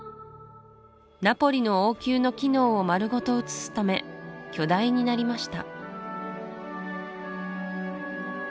ナポリの王宮の機能を丸ごと移すため巨大になりました